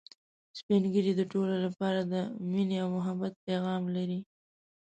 سپین ږیری د ټولو لپاره د ميني او محبت پیغام لري